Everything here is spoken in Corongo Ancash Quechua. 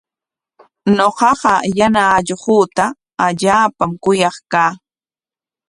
Ñuqaqa yana allquuta allaapam kuyaq kaa.